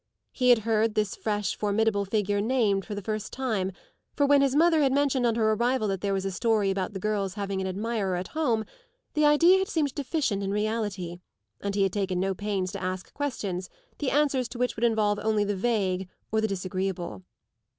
He had heard this fresh formidable figure named for the first time; for when his mother had mentioned on her arrival that there was a story about the girl's having an "admirer" at home, the idea had seemed deficient in reality and he had taken no pains to ask questions the answers to which would involve only the vague or the disagreeable.